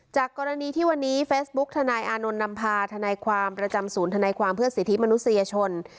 จากกรณีที่วันนี้เฟซบุ๊กทนายอานนท์นำพาทนายความประจำศูนย์ธนายความเพื่อสิทธิมนุษยชน